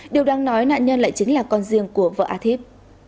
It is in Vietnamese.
điều đang nói nạn nhân lại chính là con riêng của vợ a thíp